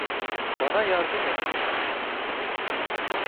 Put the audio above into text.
Bana yardım edin!